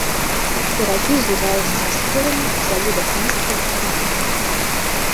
Берагі зліваюцца са схіламі, у залівах нізкія, тарфяністыя.